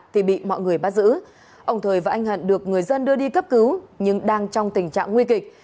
thì bị mọi người bắt giữ ông thời và anh hận được người dân đưa đi cấp cứu nhưng đang trong tình trạng nguy kịch